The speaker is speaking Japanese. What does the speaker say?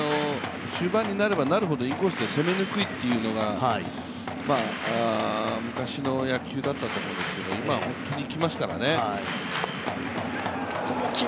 終盤になればなるほどインコースって攻めにくいというのは昔の野球だったと思いますが今は本当にいきますからね。